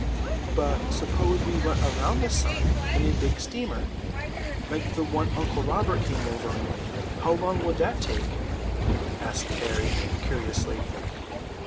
"But suppose we went around the sun in a big steamer, like the one Uncle Robert came over in; how long would that take?" asked Harry curiously.